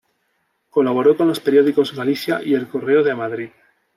Colaboró con los periódicos "Galicia" y "El Correo" de Madrid.